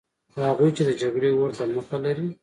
هغوی چې د جګړې اور ته مخه لري.